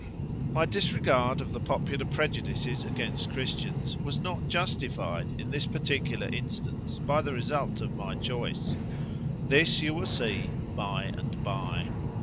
My disregard of the popular prejudices against Christians was not justified in this particular instance by the result of my choice. This you will see by and by.